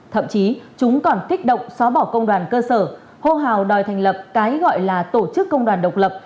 thậm chí chúng còn kích động xóa bỏ công đoàn cơ sở hô hào đòi thành lập cái gọi là tổ chức công đoàn độc lập